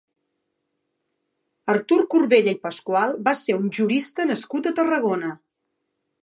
Artur Corbella i Pascual va ser un jurista nascut a Tarragona.